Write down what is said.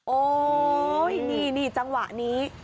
โอ๊ยนี่จังหวะนี้